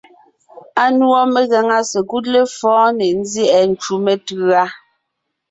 Anùɔ megàŋa sekúd lefɔ̌ɔn ne nzyɛ́ʼɛ ncú metʉ̌a.